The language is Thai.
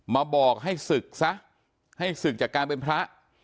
มาบอกให้ศึกจากการเป็นพระ